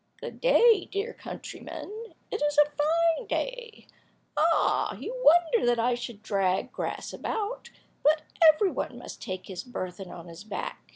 "Good day, dear countryman, it is a fine day. Ah! you wonder that I should drag grass about, but every one must take his burthen on his back."